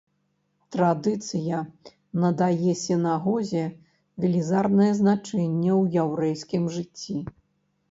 Традыцыя надае сінагозе велізарнае значэнне ў яўрэйскім жыцці.